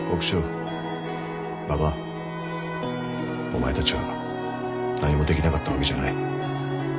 お前たちは何もできなかったわけじゃない。